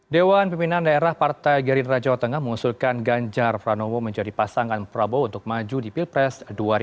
dewan pimpinan daerah partai gerindra jawa tengah mengusulkan ganjar pranowo menjadi pasangan prabowo untuk maju di pilpres dua ribu sembilan belas